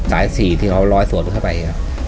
สายสีที่เขาร้อยสวนเข้าไปครับ